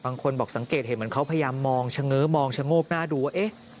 บางคนบอกสังเกตเห็นเหมือนเขาพยายามมองเฉง้อมองชะโงกหน้าดูว่าเอ๊ะ